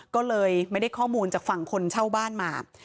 ก็เลยไม่ได้ข้อมูลจากฝั่งคนเช่าบ้านมา